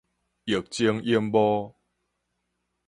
液晶螢幕